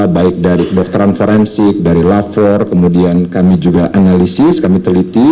baik dari kedokteran forensik dari lapor kemudian kami juga analisis kami teliti